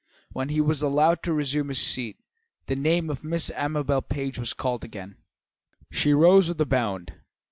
When he was allowed to resume his seat, the name of Miss Amabel Page was again called. She rose with a bound.